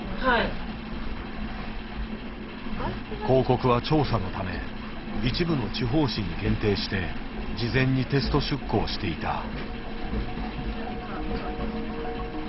広告は調査のため一部の地方紙に限定して事前にテスト出稿していた。